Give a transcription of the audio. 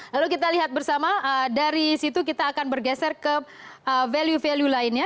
lalu kita lihat bersama dari situ kita akan bergeser ke value value lainnya